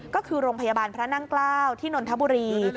ก็คือโรงพยาบาลพระนั่งเกล้าที่นนทบุรี